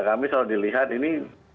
kami selalu dilihat ini